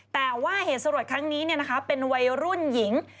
แต่ว่าเหตุสลดครั้งนี้เป็นวัยรุ่นหญิง